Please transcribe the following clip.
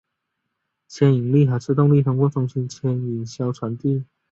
牵引力和制动力通过中心牵引销传递。